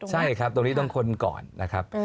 ใช่ครับตรงนี้ต้องค้นก่อนนะครับ